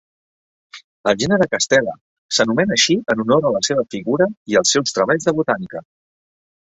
El gènere "Castela" s'anomena així en honor a la seva figura i als seus treballs de botànica.